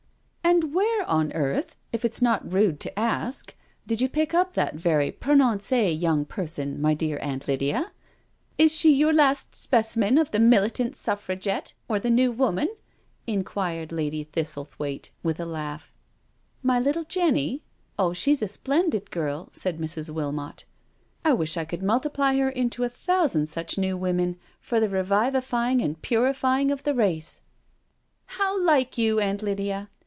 " And where on earth, if it's not rude to ask, did you pick up that very prononcie young person, my dear Aunt Lydia? Is she your last specimen of the Militant Suffragette or the New Woman?" inquired Lady Thistlethwaite with a laugh. " My little Jenny? Oh, she's a splendid girl," said Mrs. Wilmot. " I wish I could multiply her into a thousand such New Women, for the revivifying and purifying of the race I" "How like you. Aunt Lydia.